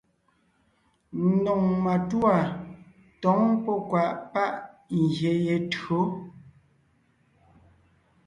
Ndóŋ matûa tǒŋ pɔ́ kwàʼ páʼ ngyè ye tÿǒ.